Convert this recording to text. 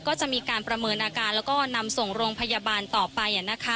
ก็จะมีการประเมินอาการแล้วก็นำส่งโรงพยาบาลต่อไป